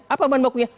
apa bahan bakunya